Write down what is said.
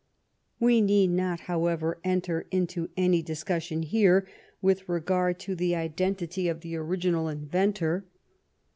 We need not, however, enter into any dis cussion here with regard to the identity of the original inventor.